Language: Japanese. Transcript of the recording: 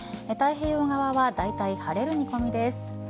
太平洋側はだいたい晴れる見込みです。